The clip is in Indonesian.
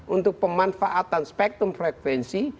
untuk pemanfaatan spektrum frekuensi